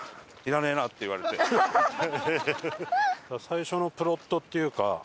最初のプロットっていうか